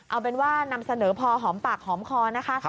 เอาเป็นว่านำเสนอพอหอมปากหอมคอนะคะ